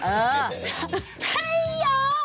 ไฮโยโอเค